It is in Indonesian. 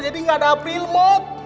jadi gak ada april mo